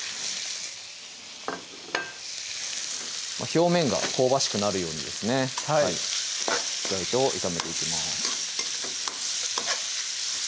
表面が香ばしくなるようにですねしっかりと炒めていきます